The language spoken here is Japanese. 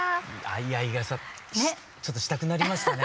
相合い傘ちょっとしたくなりましたね。